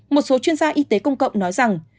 một số chuyên gia y tế công cộng nói rằng